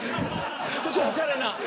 ちょっとおしゃれな。